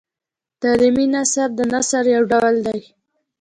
تعلیمي نثر د نثر یو ډول دﺉ.